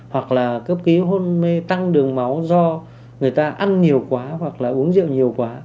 hoặc là cấp ký hôn mê tăng đường máu do người ta ăn nhiều quá hoặc là uống rượu nhiều quá